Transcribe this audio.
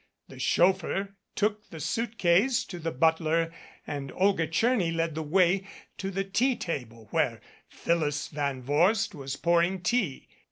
The chauffeur took the suit case to the butler and Olga Tcherny led the way to the tea table where Phyllis Van Vorst was pouring tea.